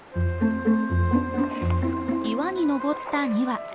岩に登った２羽。